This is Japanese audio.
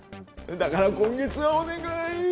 だから今月はお願い！